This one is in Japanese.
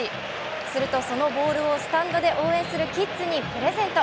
するとそのボールをスタンドで応援するキッズにプレゼント。